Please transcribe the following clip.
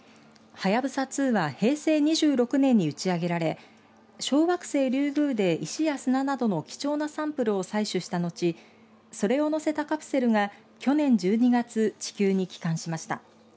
はやぶさ２は平成２６年に打ち上げられ小惑星リュウグウで石や砂などの貴重なサンプルを採取した後それを載せたカプセルが去年１２月地球に帰還しました。